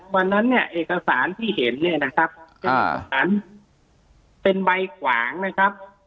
วันนั้นเนี่ยเอกสารที่เห็นเนี่ยนะครับเป็นเอกสารเป็นใบขวางนะครับ